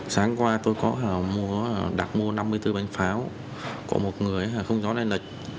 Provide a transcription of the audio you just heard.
sáng qua tôi có đặt mua năm mươi bốn bánh pháo của một người không gió đen lịch